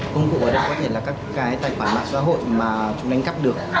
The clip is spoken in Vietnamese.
công cụ ở đấy có thể là các cái tài khoản mạng xã hội mà chúng đánh cắp được